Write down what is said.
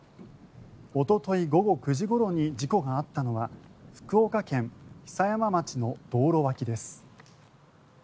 おととい午後９時ごろに事故があったのは福岡県久山町の道路脇です。